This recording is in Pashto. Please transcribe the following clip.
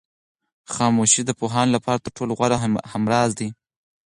خاموشي د پوهانو لپاره تر ټولو غوره همراز ده.